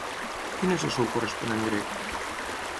Quin és el seu corresponent grec?